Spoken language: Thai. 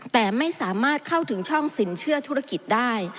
แต่ไม่สามารถเข้าถึงช่องสินเชื่อธุรกิจได้